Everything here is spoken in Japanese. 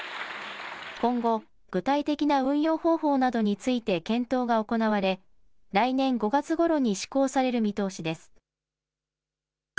今後、具体的な運用方法などについて検討が行われ、来年５月ころに施行される見通しです。